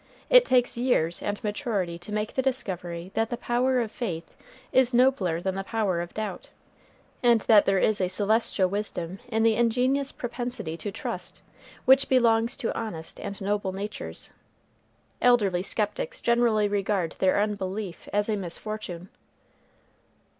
It takes years and maturity to make the discovery that the power of faith is nobler than the power of doubt; and that there is a celestial wisdom in the ingenuous propensity to trust, which belongs to honest and noble natures. Elderly skeptics generally regard their unbelief as a misfortune.